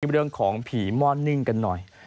เรื่องของผีม่อนนิ่งกันหน่อย